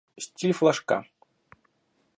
Стиль флажка